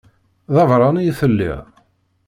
D abeṛṛani i telliḍ?